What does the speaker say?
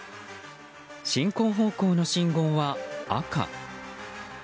進行方向の信号は赤。